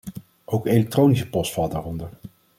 Ook elektronische post valt daar onder.